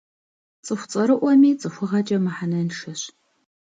Цӏыху цӏэрыӏуэми цӏыхугъэкӏэ мыхьэнэншэщ.